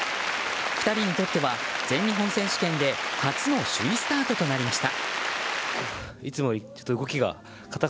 ２人にとっては全日本選手権で初の首位スタートとなりました。